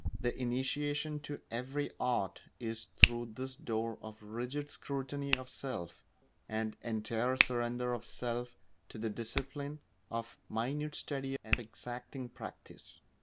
The initiation to every art is through this door of rigid scrutiny of self and entire surrender of self to the discipline of minute study and exacting practice.